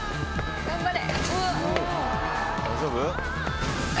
頑張れ！